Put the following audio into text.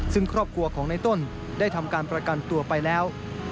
ซึ่งครอบครัวของในต้นได้ทำการประกันตัวไปแล้ว